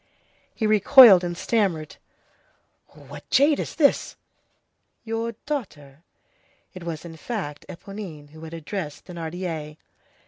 He recoiled and stammered:— "What jade is this?" "Your daughter." It was, in fact, Éponine, who had addressed Thénardier.